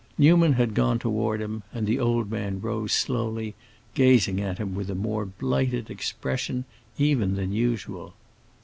Newman had gone toward him, and the old man rose slowly, gazing at him with a more blighted expression even than usual.